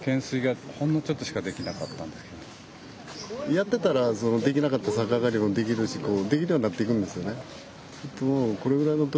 やってたらできなかったさか上がりもできるしできるようになっていくんですよね。